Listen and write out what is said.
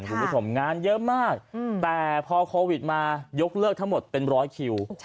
คุณผู้ชมงานเยอะมากแต่พอโควิดมายกเลิกทั้งหมดเป็นร้อยคิว